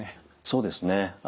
そうですね。